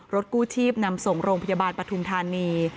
กู้ชีพนำส่งโรงพยาบาลปฐุมธานี